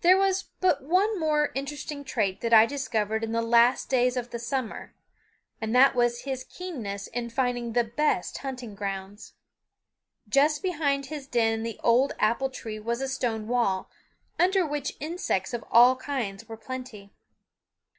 There was but one more interesting trait that I discovered in the last days of the summer, and that was his keenness in finding the best hunting grounds. Just behind his den in the old apple tree was a stone wall, under which insects of all kinds were plenty.